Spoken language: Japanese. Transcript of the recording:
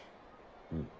うん。